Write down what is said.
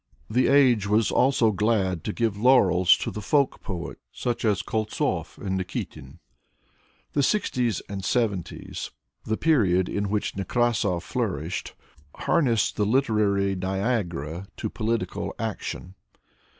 The age was also glad to give laurels to the folk poets, such as Koltzov and Nikitin. The sixties and seventies — the period in which Nekrasov flourished — harnessed the literary Niagara to political action.